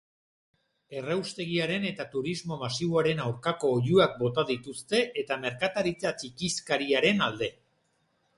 Erraustegiaren eta turismo masiboaren aurkako oihuak bota dituzte, eta merkataritza txikizkariaren alde.